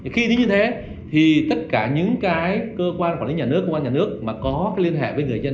khi như thế thì tất cả những cái cơ quan quản lý nhà nước cơ quan nhà nước mà có liên hệ với người dân